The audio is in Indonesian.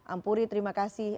ampuri terima kasih